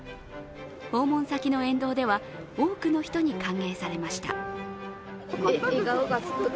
訪問先の沿道では多くの人に歓迎されました。